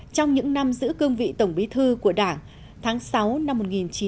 trong những năm giữ cương vị tổng bí thư của đảng tháng sáu năm một nghìn chín trăm bảy mươi